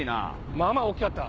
まぁまぁ大っきかった。